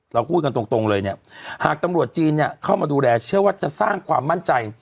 พูดกันตรงเลยเนี่ยหากตำรวจจีนเนี่ยเข้ามาดูแลเชื่อว่าจะสร้างความมั่นใจ